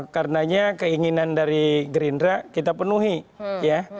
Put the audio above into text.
karenanya keinginan dari gerindra kita penuhi ya